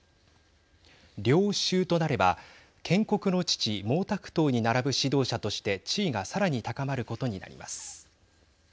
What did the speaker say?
領袖となれば建国の父毛沢東に並ぶ指導者として地位がさらに高まることになります。